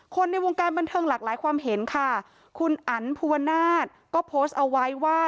ในวงการบันเทิงหลากหลายความเห็นค่ะคุณอันภูวนาศก็โพสต์เอาไว้ว่า